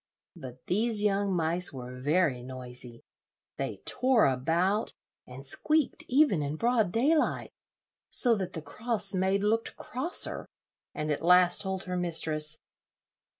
But these young mice were very noisy; they tore about, and squeaked even in broad daylight, so that the cross maid looked crosser, and at last told her mistress.